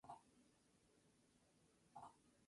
Caminos rurales.